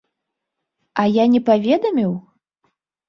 А я не паведаміў?